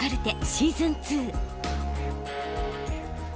シーズン２。